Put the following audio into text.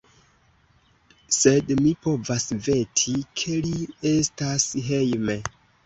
Sed mi povas veti, ke li estas hejme.